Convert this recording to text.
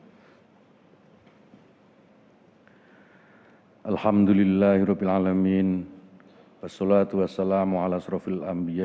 doa bersama dipimpin oleh menteri agama republik indonesia